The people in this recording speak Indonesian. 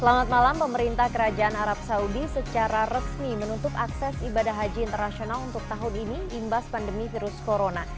selamat malam pemerintah kerajaan arab saudi secara resmi menutup akses ibadah haji internasional untuk tahun ini imbas pandemi virus corona